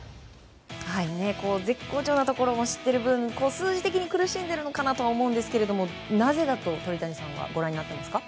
絶好調のところを知っている分数字的に苦しんでいるのかなと思うんですけれどもなぜだと、鳥谷さんはご覧になっていますか。